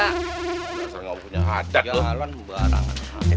biasa ga punya hadat lu